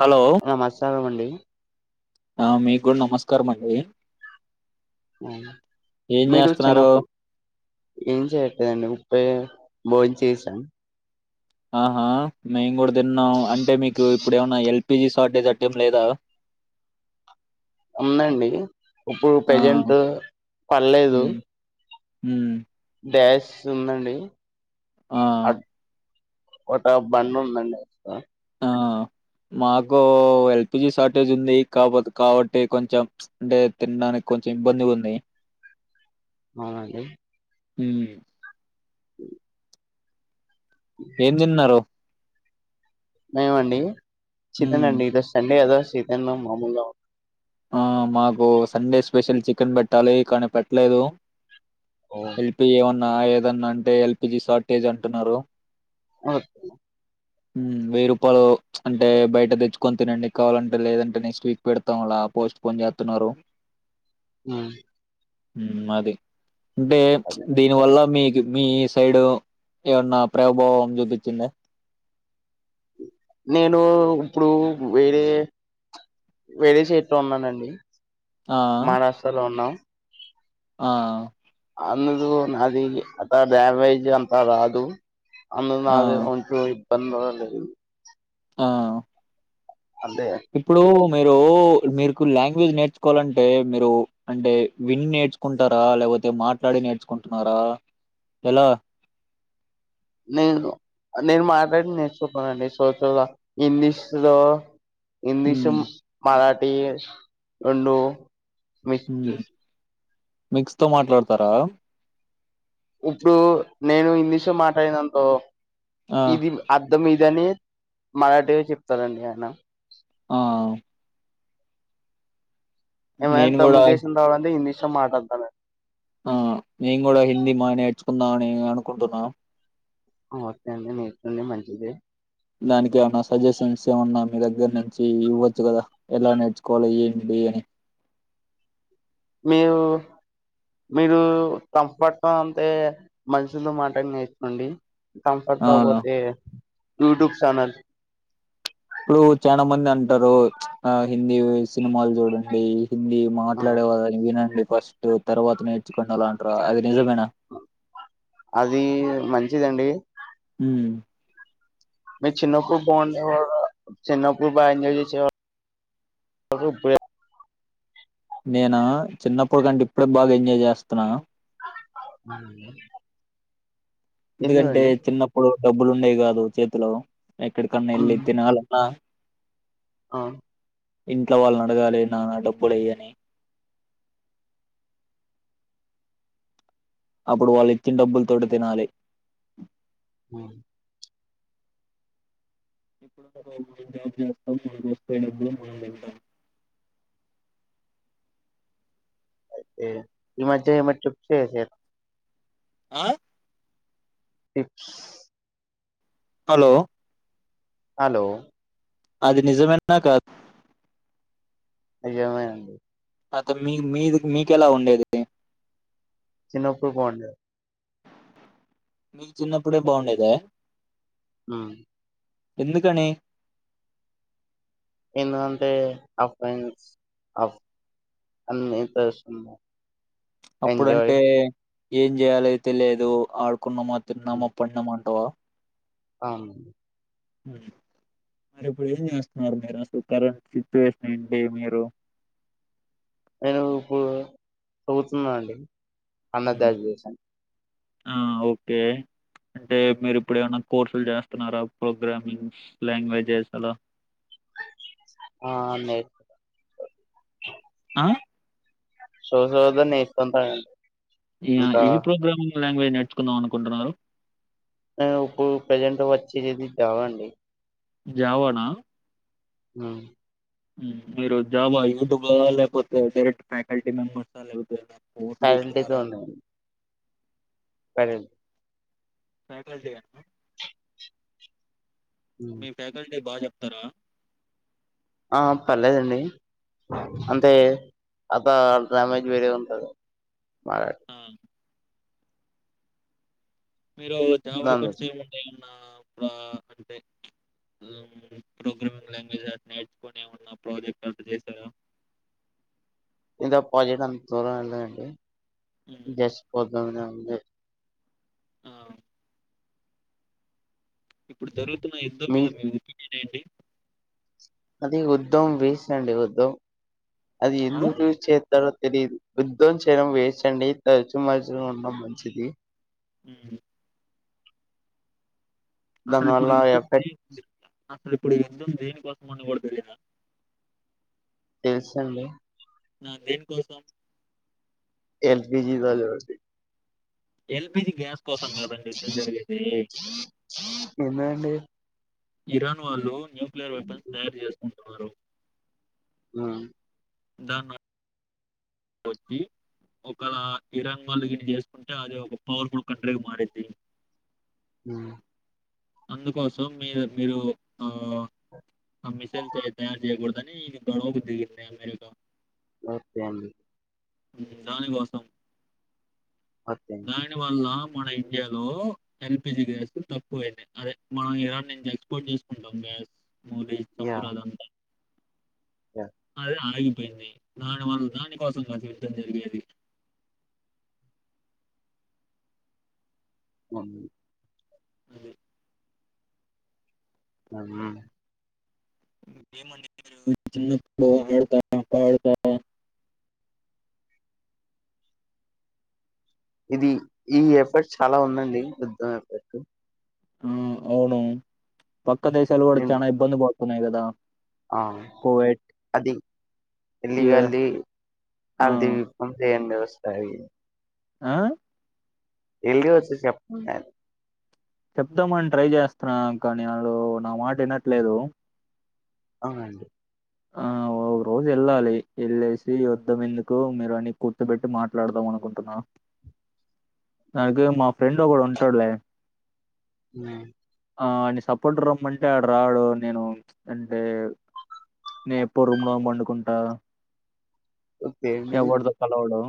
Hello నమస్కారం అన్ [unintelligible] ఆ మీకు కూడా నమస్కారం అండి ఉ ఏం మీరు చేస్తున్నారు చిన్నప్పుడు ఏం చేయట్లేదండి ముప్పే బోన్ చేసా ఆహా మేము కూడా తిన్నాం అంటే మీకు ఇప్పుడు ఏమన్నా హెల్ ఎల్పిజీ షార్ట్ఏజ్ అట్టేం లేదా ఉందండి ఇప్పుడు ఆ ప్రజెంట్ పర్లేదు ఉ గ్యాస్ ఉందండి ఆ ఒట బండి ఉందండి ఆడ ఆ మాకు ఎల్పిజి షార్టేజ్ ఉంది కాబతే కాబట్టి కొంచెం అంటే తినడానికి కొంచెం ఇబ్బందిగా ఉంది ఆ అండి ఉ [inaudible] ఏం తిన్నారు ఏమండి ఉమ్ చికెన్ అండి ఈరోజు సండే కదా తనా మామల్లా ఆ మాకు సండే స్పెషల్ చికెన్ పెట్టాలి కానీ పెట్టలేదు ఉమ్, ఎల్పిి ఏన్ ఆ ఏదన్నా అంటే ఎల్పిజి షార్టేజ్ అంటున్నారు అఓకే వెయ్యి రూపాయలు అంటే బయట తెచ్చుకొని తినండి కావాలంటే లేదంటే నెక్స్ట్ వీక్ పెడతాంలా పోస్ట్ పోన్ చేస్తున్నారు హ ఉ అది అంటే అదే దీని వల్ల మీ మీ సైడ్ ఏమన్నా ప్రభావం చూపించింది నేను ఇప్పుడు వేరే వేరే చేట్లో ఉన్నానండి ఆ మారాష్ట్రలో ఉన్నాం ఆ అన్న నాది అత డ్యామేజ్ అంత రాదు అన్న ఆ నాది ఉంచూ పంద ఆ అంటే ఇప్పుడు మీరు మీరుకు లాంగ్వేజ్ నేర్చుకోవాలంటే మీరు అంటే విని నేర్చుకుంటారా లేకపోతే మాట్లాడి నేర్చుకుంటున్నారా ఎలా నేను నేను మాట్లాడి నేర్చుంటానండి సోచ ఇంగ్లీష్ లో ఇంగ్లీష హ్మ్ మరాఠ అ ఉండూ వ మిక్స్తో మాట్లాడతారా ఇప్పుడు నేను ఇంగ్లీష్ లో మాట్లాడినంతో ఆ ఇది అర్ధం ఇదనే మరాఠీగా చెప్తారంండి ఆయన ఆ ఏ నేను తమిళ కూడా దేశం హిందీ ష మాట అంతనే ఆ నేను కూడా హిందీ మా నేర్చుకుందాం అని అనుకుంటున్నా ఓకే అండి మీట్ండి మంచిది దానికి ఏమన్నా సజెషన్స్ ఏమన్నా మీ దగ్గర నుంచి ఇవ్వచ్చు కదా ఎలా నేర్చుకోవాలి ఏంటి అని మీరు మీరు కంపట్ అంతే మంచిది మాట నేర్చుకోండి ఆ కంఫర్తో పోతే యూట్యూబ్ చనల్ ఇప్పుడు చాలా మంది అంటారు ఆ హిందీ సినిమాలు చూడండి వచ్చింది మాట్లాడే వాళ్ళని వినండి ఫస్ట్ తర్వాతనే కొండలంట అది నిజంమేనా అది మంచిదండి హ మీరు చిన్నపూడు బాగుండేవార చిన్నపూడు బాగా ఎంజాయ్ చేసేవర నేను చిన్నప్పుటికంటే ఇప్పుడే బాగా ఎంజాయ్ చేస్తున్నాను అ [unintelligible] ఇదిగంటే చిన్నప్పుడు డబ్బులు ఉండేవి కాదు చేతిలో ఎక్కడ కన్నా వెళ్ళి తినాలన్నా ఆ ఇంట్లో వాళ్ళనీ అడగాలి నాన్న డబ్బులుయ అని అప్పుడు వాళ్ళు ఇచ్చిన డబ్బుల తోటి తినాలి హ ఇప్పుడు మం జాబ్ చేస్తాం మన వస్తయే డబ్బులు మనం వెళ్తాం అతే ఈ మద్య ఏమైనా చెప్తే చే ఆ టిప్స్ హలో హలో అది నిజమేన్నా కాదు నిజమే అండి అ తని మి మీది మీకెలా ఉండేది చిన్నప్పుడు బాగుండేదండి మీకు చిన్నప్పుడే బాగుండేదా, ఊ ఎందుకని ఎందుకంటే [unintelligible] అన్ని తెలుస్తున్నాయి ఎంజాయ్ అప్పుడుంటే ఏం చేయాలో తెలియదు ఆ అడుకున్నమా తిన్నామ పడ్నమంటావా అవును అండి మరి ఇప్పుడు ఏం చేస్తున్నారు మీరు అసలు కరెంట్ సిచ్యువేషన్ ఏంటి మీరు, నేను ఇప్పుడు చదువుతున్నా అండి, అండర్ గ్రాడ్యుయేషన్, ఓకే అంటే మీరు ఇప్పుడు ఏమైనా కోర్సులు చేస్తున్నారా ప్రోగ్రామింగ్స్ లాంగ్వేజెస్ అలా, హ అండి ఆ సో సోలోగా నేర్చుకుంట అండి ఇయా ఈ ప్రోగ్రామ్ ని లాంగ్వేజ్ నేర్చుకుందాం అనుకుంటున్నారు, ఇప్పుడు ప్రజెంట్ వచ్చేది జావా జావనా హ మీరు జాబ యూట్యూబ్ లేకపోతే డైరెక్ట్ ఫ్యాకల్టీ మెంబర్స్ లేకాపోతే ఫ్యాకల్టీ తోనే ఉన్నాండి, సరే ఫ్యాకల్టీగానా హ్మ్. మీ ఫ్యాకల్టీ బాధ త్తర ఆ పర్లేదండి హ్మ్. అంతే అద డమేజ్ వేరే ఉంటది మ ఆ! మీరు జావా దాని గురించి కంటే ఉంటే అ అంటే ప్రోగ్రామింగ్ లాంగ్వేజ్ అ నేర్చుకొని ఏమన్నా ప్రాజెక్ట్ అట్ట చేసారా ఇంత ప్రాజెక్ట్ అంత దూరం వెళ్ళదండి హ్మ్. జస్ట్ ప్రోగ్రామ్ మీదనే ఉనే అవు ఇప్పుడు జరుగుతున్న యుద్ధం మీ మీద మి ఒపీనియన్ ఏంటి అది ఉద్ధం వీస అండి ఉద్ద్దం అది ఆ? ఎందు చే తెలిదు యుద్ధం చేయడం వేస్ండి తరచు మరచు ఉన్న మంచిది హ దానిల ఎఫెక్ట్ అసలు ఇప్పుడు ఎందుకు దేనికోసం అని కూడా తెలియదంట తెలిసింది ఆ దేని కోసం ఎల్పిజీ త జరుసి ఎల్ జ గ్యాస్ కోసం కదండి యుద్ధం జరిగగేది ఏందండి ఇరాన్ వాళ్ళు న్యూక్లియర్ వెపన్స్ తయారు చేసుకుంటున్నారు హ్మ్ ాన్ వచ్చి ఒక ఇరాన్ వాళ్ళుగానీ చేసుకుంటే అది ఒక పవర్ఫుల్ కంట్రీగా మారింది హ్మ్ అందుకోసం మీరు మీరు ఆ ఆ మిసైల్స్ తయారు చేయకూడదని గొడవకు దిగింది అమెరికా మతే అం దానికోసం ఓకే. రాని వాళ్ళ మన ఇండియాలో ఎల్పిజి గ్యాస్ తక్కువయింది అదే మనం ఇరాన్ నుంచి ఎక్స్పోర్ట్ చేసుకుంటాం గ్యాస్ ములే సమోర యాహ్! అలాంత యాహ్! మల్ల అయి పోయింది నా వ ద కోస కాసి దందలుది అ అది అవునా ఏ మడత పాడత ఇది ఈ ఎఫర్ట్స్ అలా ఉందండి వృద్ధం ఎఫర్ట్స్ హ్మ్ అవును పక్క దేశాలు కూడా హ్మ్. చానా ఇబంది పాడు సన్నాయిదదా ఆ అది ఇవే ఎలిగాల్లి ఆ! అదివిపం చే వ్యవస్ సరే ఆ వెలిగి వచ్చి చెప్పకుండా చెప్దామని ట్రై చేస్తున్నా కానీ ఆడు నా మాట వినట్లేదు అవునండి ఆ ఒక రోజు వెళ్ళాలి వెళ్ళేసి యుద్ధం ఎందుకు మీరు అని కూర్చబెట్టి మాట్లాడదాం అనుకుంటున్నా దానికి మా ఫ్రెండ్ ఒకడు ఉంటాడులే హ ఆ అన్ని సపోర్ట్ రమ్మంటే అంటే ఆడు రాడు నేను అంటే నేను ఎప్పుడు రూమ్ లో పండుకుంటా ఓకే అండి. ఎవడతో కలవడు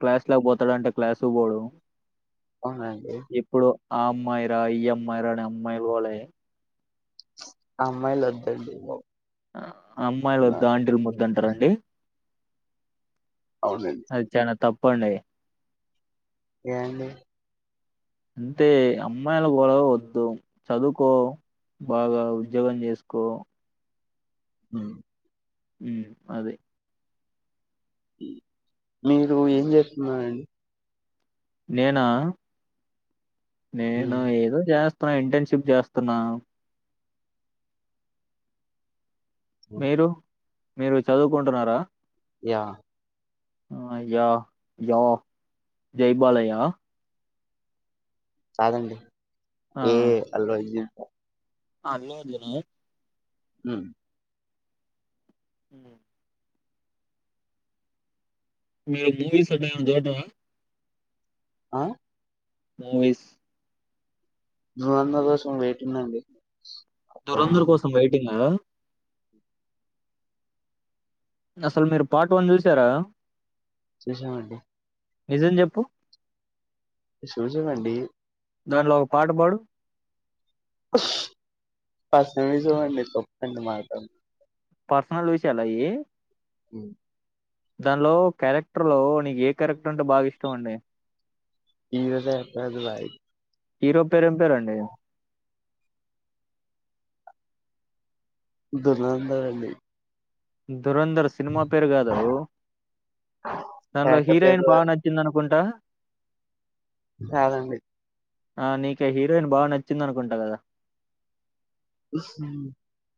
క్లాసులా పోత్ తాడు అంటే క్లాసు కు పోడు అవునా అండి ఇప్పుడు ఆ అమ్మాయిరా ఈ అమ్మాయి రా అమ్మాయి గోలే అమ్మాయిలు వద్దు అండి ఓ అమ్మాయిలు దంటిరు ముద్దంటారండి అవునండి. అది చనా తప్పు పోండై ఏంది అంతే అమ్మాయిల గడవ వద్దు చదువుకో బాగా ఉద్యోగం చేసుకో హ ఉ అది మీరు ఏం చేస్తున్నారండి నేనా నేను హ్మ్. ఏదో జాస్ ప్రయ్ ఇంటెన్షిప్ చేస్తున్నా హ్మ్. మీరు మీరు చదువుకుంటున్నారా యా ఆ యా యా జై బాలయ్య చలండి ఏ అల్లు అర్జున్ అలాయ జనే ఉ ఉ మీరు మూవీస్ అట్ల ఏమన్నా దొవులాడుతారా ఆ మూవీస్ నువ్ అందరి కోసం వెయిటింగ్ అండి దురంధర్ హ్మ్. కోసం వెయిటింగ్ గా అసలు మీరు పార్ట్ వన్ చూసారా చూశాం అండి నిజం చెప్పు చూశా వండి దాంట్లో ఒక పాట పాడు పస్ ఫస్ట్ మీరు చూడండి తప్పండి మాట పర్సనల్ విషయాలయి దానిలో క్యారెక్టర్ లో నీకు ఏ క్యారెక్టర్ అంటే బాగా ఇష్టం అండి [unintelligible] హీరో పేరుం పేరుండి దుర్నంద అండి మ్ ధురంధర్ సినిమా పేరు కాదు ఒ, దానిలో కాకపోతే హీరోయిన్ బాగా నచ్చిందనుకుంటా కదండి ఆ నీక హీరోయిన్ బాగా నచ్చింది అనుకుంటా కదా ఉమ్.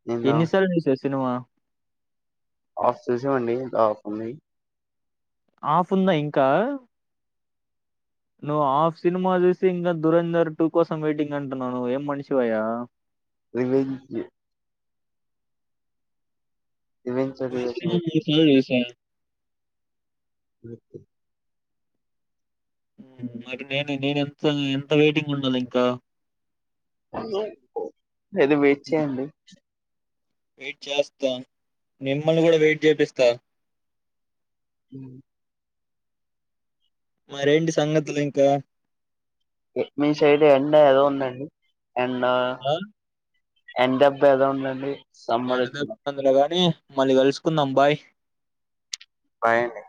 నేను ఎన్నిసాల్ చూసావ్ సినిమా ఆఫ్ చేసామండి ఆఫ్ ఉంది ఆఫ్ ఉందా ఇంకా నువ్వు హాఫ్ సినిమా చూసి, ఇంకా దురంధర్ టూ కోసం వెయిటింగ్ అంటున్నావ్, ఏం మనిషివాయ్యా రివంజ్ కి రివెంజ్ [unintelligible] చూసా మకు మరి నేను నేను ఎంత ఎంత వెయిటింగ్ ఉండాలి ఇంకా ఏదో వెయిట్ చేయండి వెయిట్ చేస్తా మిమ్మల్ని కూడా వెయిట్ చేపిస్తా మ్ మరేంటి సంగతులు ఇంకా మీ సైడ్ ఎండా ఏలా ఉందండి ఎండ ఆ? ఎండబ్బా ఎలా ఉందండి సమ్మర్ ఎంట ద వచ్చింది పందలుగానీ మళ్ళీ కలుసుకుందాంబాయ్ బాయ్ అండి